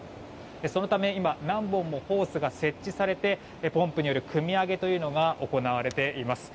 そのため、今何本もホースが設置されてポンプによるくみ上げというのが行われています。